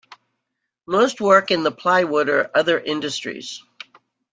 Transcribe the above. Most work in the plywood or other industries.